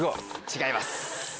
違います。